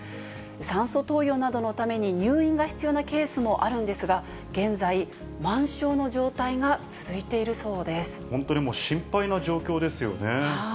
酸素投与などのために入院が必要なケースもあるんですが、現在、本当にもう心配な状況ですよね。